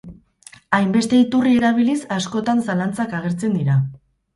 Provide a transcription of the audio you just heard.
Hainbeste iturri erabiliz askotan zalantzak agertzen dira.